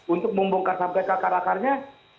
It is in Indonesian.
untuk membongkar sampai ke akar akarnya